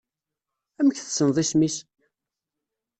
Amek tessneḍ isem-is?